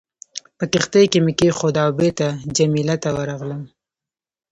په کښتۍ کې مې کېښوده او بېرته جميله ته ورغلم.